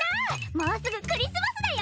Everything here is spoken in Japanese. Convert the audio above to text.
もうすぐクリスマスだよ！